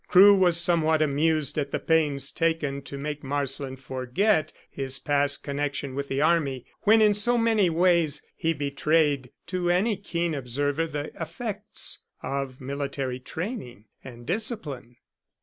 Crewe was somewhat amused at the pains taken to make Marsland forget his past connection with the Army, when in so many ways he betrayed to any keen observer the effects of military training and discipline.